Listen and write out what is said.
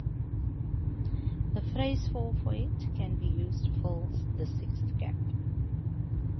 The phrase "fall for it" can be used to fill the sixth gap.